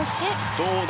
どうだ？